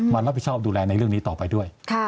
รับผิดชอบดูแลในเรื่องนี้ต่อไปด้วย